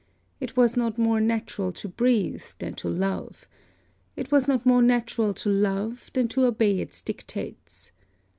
It was not more natural to breathe, than to love it was not more natural to love, than to obey its dictates.